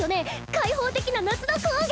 開放的な夏の草原。